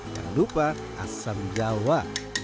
jangan lupa asam jawa